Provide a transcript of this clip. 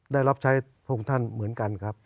ได้รับใช้พระองค์ท่านเหมือนกันครับ